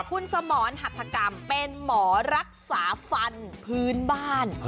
คุณสมรหัฐกรรมเป็นหมอรักษาฟันพื้นบ้าน